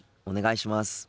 お願いします。